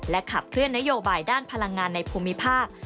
ขับเคลื่อนนโยบายด้านพลังงานในภูมิภาค